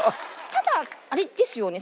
ただあれですよね。